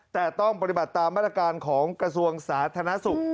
แต่ต้องปฏิบัติตามมาตรการของกระทรวงสาธารณสุข